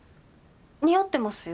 似合ってますよ。